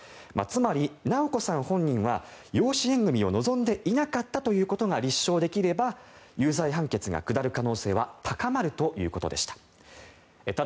つまり、直子さん本人は養子縁組を望んでいなかったということが立証できれば有罪判決が下る可能性は高まるということでした。